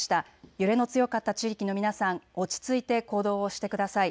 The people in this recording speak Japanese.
揺れの強かった地域の皆さん、落ち着いて行動をしてください。